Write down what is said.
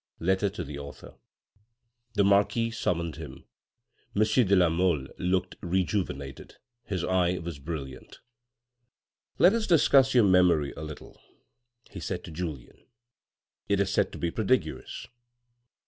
Letter to the author. The marquis summoned him; M. de la Mole looked re juvenated, his eye was brilliant. " Let us discuss your memory a little," he said to Julien, " it is said to be prodigious.